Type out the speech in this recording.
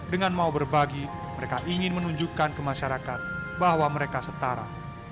dengan mau berbagi mereka ingin menunjukkan ke masyarakat bahwa mereka setara